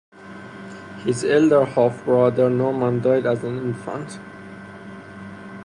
His elder half-brother Norman died as an infant.